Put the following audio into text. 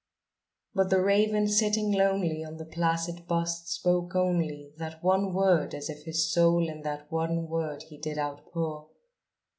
But the raven, sitting lonely on the placid bust, spoke only That one word, as if his soul in that one word he did outpour.